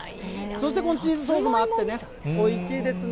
そしてこのチーズソースもあってね、おいしいですね。